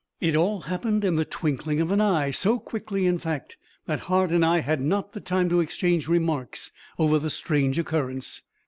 It all happened in the twinkling of an eye so quickly, in fact, that Hart and I had not the time to exchange remarks over the strange occurrence.